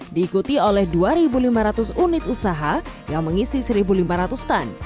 diikuti oleh dua lima ratus unit usaha yang mengisi satu lima ratus ton